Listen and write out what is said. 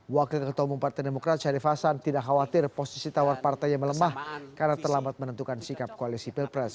wakil ketua umum partai demokrat syarif hasan tidak khawatir posisi tawar partainya melemah karena terlambat menentukan sikap koalisi pilpres